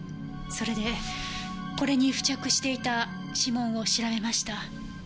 それでこれに付着していた指紋を調べました。